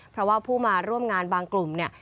เพราะว่าผู้มาร่วมงานบางกลุ่มเนี่ย